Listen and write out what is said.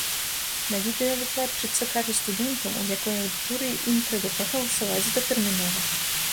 На відэа выкладчыца кажа студэнтам, у якой аўдыторыі ім трэба прагаласаваць датэрмінова.